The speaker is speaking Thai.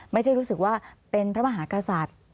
ไม่ใช่รู้สึกว่าเป็นพระมหากษัตริย์